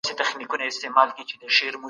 دائره ګيردۍ ده.